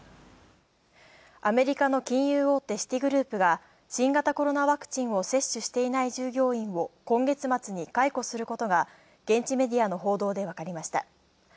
アメリカの金融大手シティグループが新型コロナワクチンを接種していない従業員を今月末に解雇することが現地メディアの報道でわかりました。